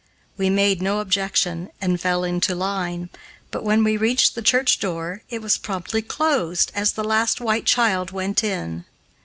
We made no objection and fell into line, but, when we reached the church door, it was promptly closed as the last white child went in.